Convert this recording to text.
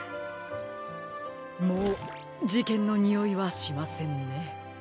もうじけんのにおいはしませんね。